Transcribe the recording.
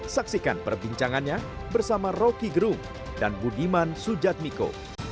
saksikan perbincangannya bersama roky gerung dan budiman sujatmiko